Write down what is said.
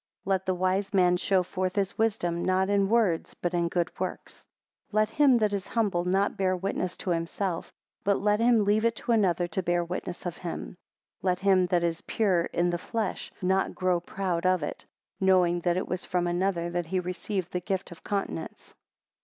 36 Let the wise man show forth his wisdom, not in words, but in good works. 37 Let him that is humble, not bear witness to himself, but let him leave it to another to bear witness of him. 38 Let him that is pure in the flesh, not grow proud of it, knowing that it was from another that he received the gift of continence.